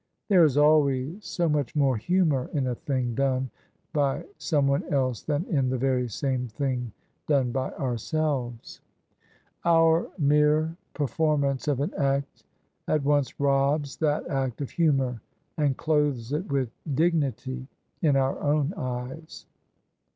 There is always so much more humour in a thing done by someone else than in the very same thing done by ourselves. Our mere perform OF ISABEL CARNABY ance of an act at once robs that act of humour and clothes it with dignity — in our own eyes.